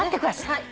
はい。